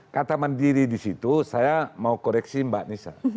kata mandiri disitu saya mau koreksi mbak nisha